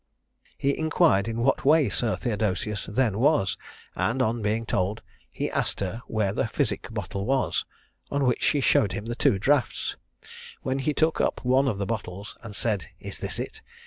He inquired in what way Sir Theodosius then was; and on being told, he asked her where the physic bottle was; on which she showed him the two draughts; when he took up one of the bottles, and said, "Is this it?"